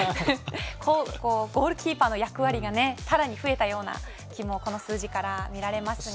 ゴールキーパーの役割がさらに増えたような気もこの数字から見られますが。